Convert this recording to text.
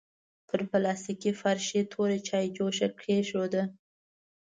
پر پلاستيکي فرش يې توره چايجوشه کېښوده.